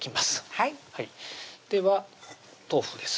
はいでは豆腐です